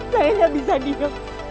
saya gak bisa diam